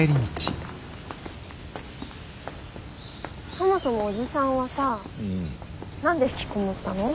そもそもおじさんはさ何でひきこもったの？